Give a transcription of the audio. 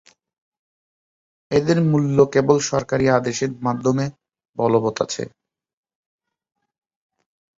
এদের মূল্য কেবল সরকারী আদেশের মাধ্যমে বলবৎ আছে।